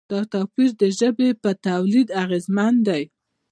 دا توپیر د ژبې په تولید اغېزمن دی.